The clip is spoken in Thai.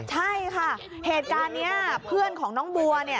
ใช่ค่ะเหตุการณ์นี้เพื่อนของน้องบัวเนี่ย